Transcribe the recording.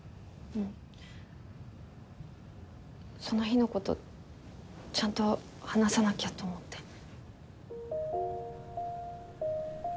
その日の事ちゃんと話さなきゃと思って。